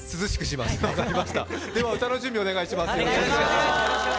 では、歌の準備をお願いします。